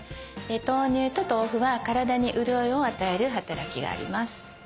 豆乳と豆腐は体にうるおいを与える働きがあります。